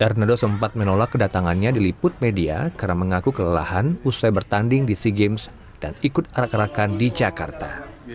hernado sempat menolak kedatangannya diliput media karena mengaku kelelahan usai bertanding di sea games dan ikut arak arakan di jakarta